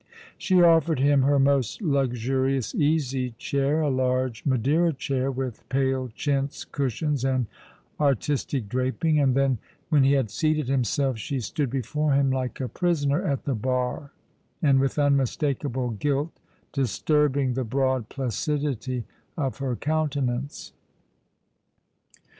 She offered him her most luxurious easy chair — a largo Madeira chair, with pale chintz cushions and artistic draping ; and then, when he had seated himself, she stood before him like a prisoner at the bar, and with unmistakable guilt disturbing the broad placidity of her countenance.